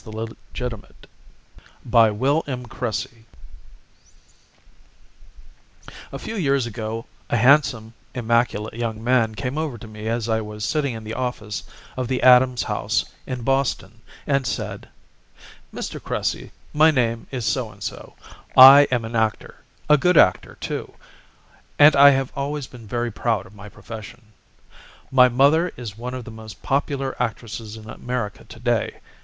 THE LEGITIMATE A few years ago a handsome, immaculate young man came over to me as I was sitting in the office of the Adams House in Boston and said, "Mr. Cressy, my name is so and so; I am an actor; a good actor too, and I have always been very proud of my profession. My mother is one of the most popular actresses in America to day.